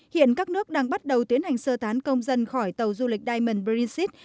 hiện các nước đang bắt đầu tiến hành sơ tán công dân khỏi tàu du lịch diamond brincess